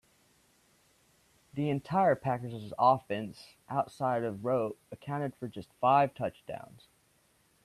The entire Packers' offense outside of Rote accounted for just five touchdowns.